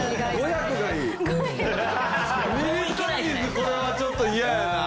それはちょっと嫌やな。